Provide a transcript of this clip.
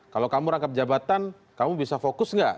kalau kamu rangkap jabatan kamu bisa fokus nggak